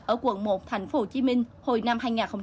ở quận một tp hcm hồi năm hai nghìn một mươi ba